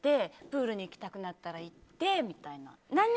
プールに行きたくなったら行ってみたいな。